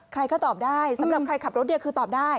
ใครก็ตอบได้สำหรับใครขับรถเนี่ยคือตอบได้